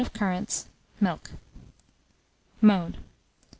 of currants, milk. Mode.